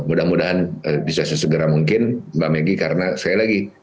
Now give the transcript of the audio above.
mudah mudahan bisa sesegera mungkin mbak meggy karena sekali lagi